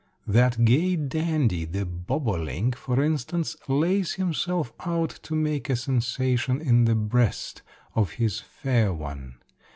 That gay dandy, the bobolink, for instance, lays himself out to make a sensation in the breast of his fair one.